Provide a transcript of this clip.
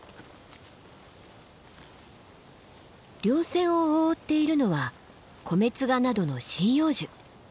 稜線を覆っているのはコメツガなどの針葉樹。